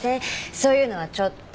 そういうのはちょっと。